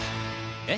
えっ？